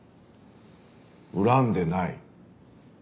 恨んでない？